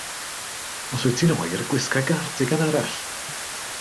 Os wyt ti'n oer gwisga gardigan arall.